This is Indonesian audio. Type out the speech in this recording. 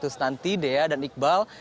terima kasih dea dan iqbal